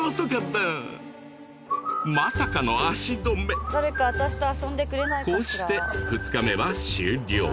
たまさかの足止めこうして２日目は終了